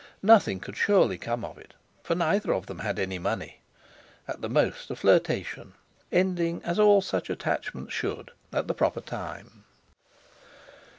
Nothing could surely come of it, for neither of them had any money. At the most a flirtation, ending, as all such attachments should, at the proper time.